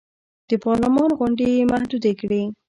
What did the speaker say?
د پارلمان غونډې یې محدودې کړې.